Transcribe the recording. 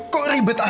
kok ribet amat sih